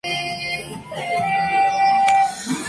Hijo de Rafael Garmendia Rodríguez y Celsa Murrieta.